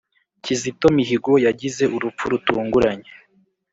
kizito mihigo yagize urupfu rutunguranye